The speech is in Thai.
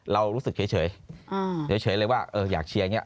เรารู้สึกเฉยเฉยเลยว่าอยากเชียร์อย่างนี้